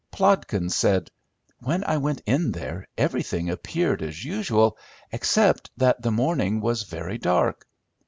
Plodkins said, "When I went in there everything appeared as usual, except that the morning was very dark.